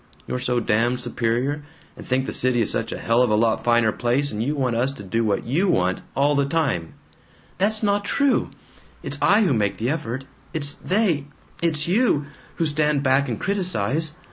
You're so damned superior, and think the city is such a hell of a lot finer place, and you want us to do what YOU want, all the time " "That's not true! It's I who make the effort. It's they it's you who stand back and criticize.